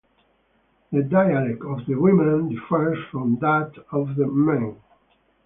The dialect of the women differs from that of the men.